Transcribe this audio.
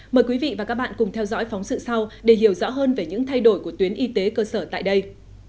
mời quý vị và các bạn cùng theo dõi phóng sự sau để hiểu rõ hơn về những thay đổi của tuyến y tế cơ sở tại đây